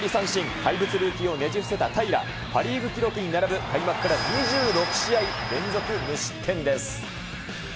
怪物ルーキーをねじ伏せた平良、パ・リーグ記録に並ぶ開幕から２６試合連続無失点です。